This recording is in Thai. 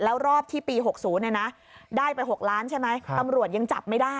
แล้วรอบที่ปี๖๐ได้ไป๖ล้านใช่ไหม